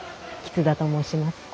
橘田と申します。